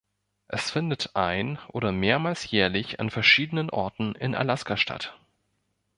Es findet ein- oder mehrmals jährlich an verschiedenen Orten in Alaska statt.